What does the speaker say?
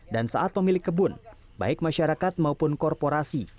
dan saat pemilik kebun baik masyarakat maupun korporasi